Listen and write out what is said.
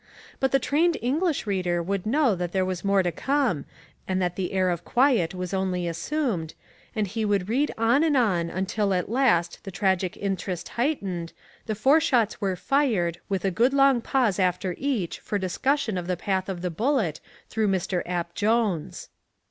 But the trained English reader would know that there was more to come and that the air of quiet was only assumed, and he would read on and on until at last the tragic interest heightened, the four shots were fired, with a good long pause after each for discussion of the path of the bullet through Mr. Ap. Jones.